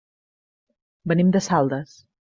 Venim de Saldes.